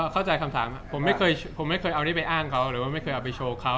เข้าใจคำถามผมไม่เคยผมไม่เคยเอานี่ไปอ้างเขาหรือว่าไม่เคยเอาไปโชว์เขา